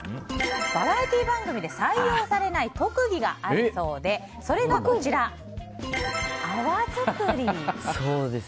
バラエティー番組で採用されない特技があるそうでそれが、泡づくり。